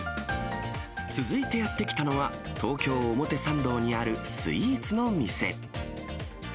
続いてやって来たのは、東京・表参道にあるスイーツの店。